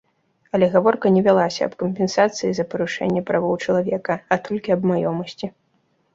Але гаворка не вялася аб кампенсацыі за парушэнне правоў чалавека, а толькі аб маёмасці.